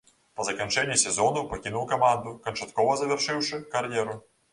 Па заканчэнні сезону пакінуў каманду, канчаткова завяршыўшы кар'еру.